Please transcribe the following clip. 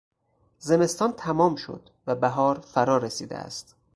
زمستان تمام شد و بهار فرا رسیده است.